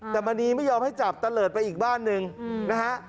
แต่มณีไม่ยอมให้จับตะเลิศไปอีกบ้านหนึ่งนะฮะ